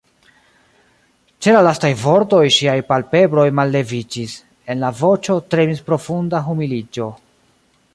Ĉe la lastaj vortoj ŝiaj palpebroj malleviĝis; en la voĉo tremis profunda humiliĝo.